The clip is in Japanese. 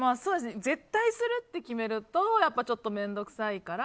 絶対するって決めるとちょっと面倒くさいから。